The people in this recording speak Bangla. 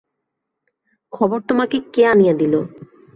খবর তোমাকে কে আনিয়া দিল?